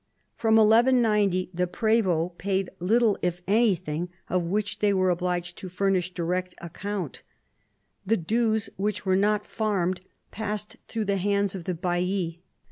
From 1190 the prdvdts paid little, if anything, of which they were obliged to furnish direct account; the dues which were not farmed passed through the hands of the baillis.